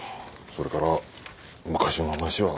それから昔の話は。